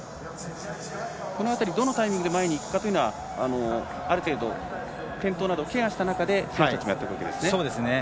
このあたり、どのタイミングで前に行くかというのがある程度、転倒などケアした中で走っているわけですね。